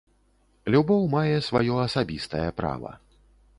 Любоў мае сваё асабістае права.